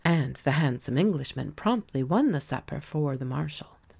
And the "handsome Englishman" promptly won the supper for the Marshal.